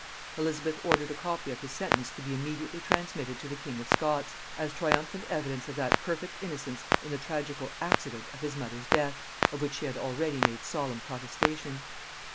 Elizabeth ordered a copy of his sentence to be immediately transmitted to the king of Scots, as triumphant evidence of that perfect innocence in the tragical accident of his mother's death, of which she had already made solemn protestation.